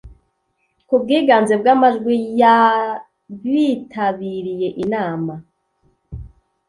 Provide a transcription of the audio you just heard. ku bwiganze bw amajwi y abitabiriye inama